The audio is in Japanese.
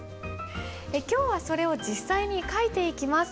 今日はそれを実際に書いていきます。